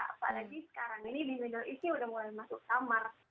apalagi sekarang ini di middle east ini udah mulai masuk summer